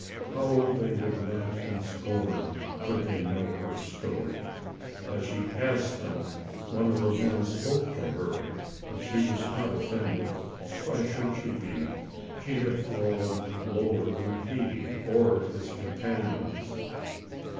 How they would laugh in scorn, could they know her story. As she passed them, one of the men spoke to her, but she was not offended. Why should she be ? She had fallen lower than he, or his companions.